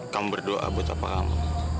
kamu berdoa buat apa kamu